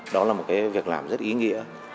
đó là một cái việc làm rất ý nghĩa